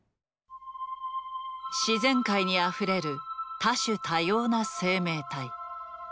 自然界にあふれる多種多様な生命体。